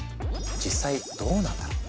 実際どうなんだろう？